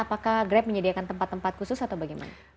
apakah grab menyediakan tempat tempat khusus atau bagaimana